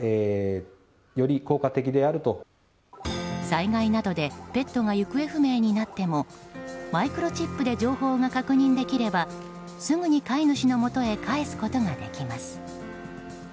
災害などでペットが行方不明になってもマイクロチップで情報が確認できればすぐに飼い主のもとへ返すことができます。